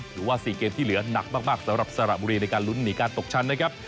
หรือว่า๔เกมที่เหลือหนักมากสำหรับสระบุรีในการลุ้นหนีการตกชั้นนะครับ